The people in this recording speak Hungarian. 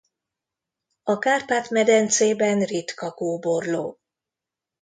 A Kárpát-medencében ritka kóborló.